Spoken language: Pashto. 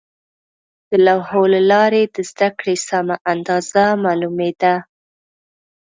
د لوحو له لارې د زده کړې سمه اندازه معلومېده.